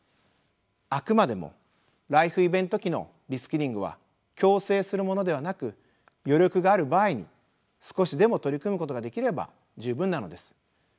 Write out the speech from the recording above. あくまでもライフイベント期のリスキリングは強制するものではなく余力がある場合に少しでも取り組むことができれば十分なのです。